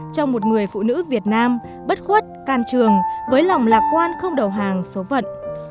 cho một người phụ nữ việt nam bất khuất can trường với lòng lạc quan không đầu hàng số phận